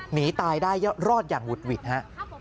หนีตายได้รอดอย่างหุดหวิดฮะ